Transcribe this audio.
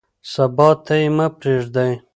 سبا ته یې مه پرېږدئ.